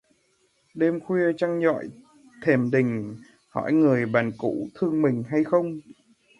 Đêm khuya trăng dọi thềm đình, hỏi người bạn cũ thương mình hay không